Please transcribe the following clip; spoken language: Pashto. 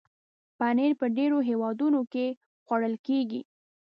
پنېر په ډېرو هېوادونو کې خوړل کېږي.